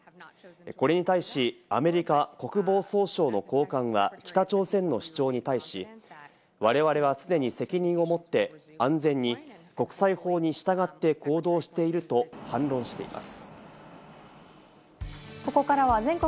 これに対し、アメリカ国防総省の高官は北朝鮮の主張に対し、われわれは常に責任を持って安全に国際法に従って行動していると反論しています。